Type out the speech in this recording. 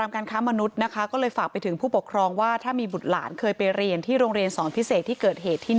การค้ามนุษย์นะคะก็เลยฝากไปถึงผู้ปกครองว่าถ้ามีบุตรหลานเคยไปเรียนที่โรงเรียนสอนพิเศษที่เกิดเหตุที่๑